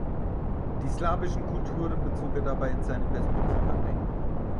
Die slawischen Kulturen bezog er dabei in seine Perspektive ein.